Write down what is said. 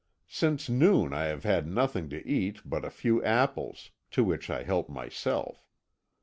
Since noon I have had nothing to eat but a few apples, to which I helped myself.